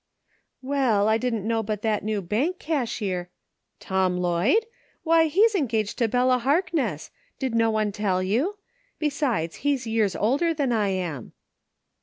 " Well, I didn't know but that new bank cashier—" " Tom Lloyd ? Why he's engaged to Bella Hark ness. Did no one tell you? Besides, he's years older than I am."